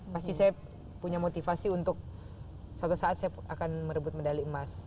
pasti saya punya motivasi untuk suatu saat saya akan merebut medali emas